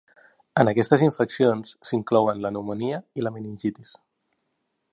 En aquestes infeccions s'inclouen la pneumònia i la meningitis.